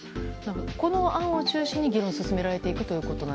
この案を中心に議論が進められていくと？